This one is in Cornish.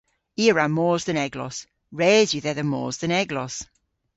I a wra mos dhe'n eglos. Res yw dhedha mos dhe'n eglos.